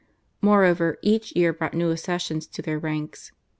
Moreover, each year brought new accessions to their ranks.